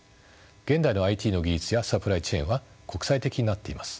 現代のＩＴの技術やサプライチェーンは国際的になっています。